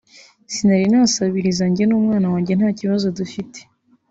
“Sinari nasabiriza njye n’umwana wanjye nta kibazo dufite